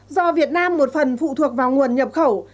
do việt nam một phần phụ thuộc vào nguồn nhập khẩu